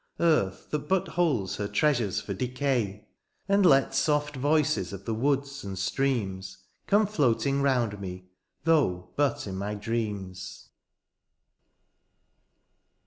Earth that but holds her treasures for decay ! And let soft voices of the woods and streams Come floating round me, though but in my dreams.